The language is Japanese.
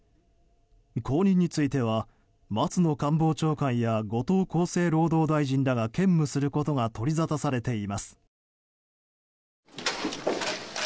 後任については松野官房長官や後藤厚生労働大臣らが兼務することが取りざたされています。